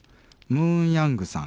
ムーンヤングさん